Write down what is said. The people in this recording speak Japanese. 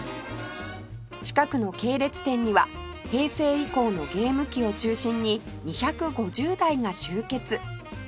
近くの系列店には平成以降のゲーム機を中心に２５０台が集結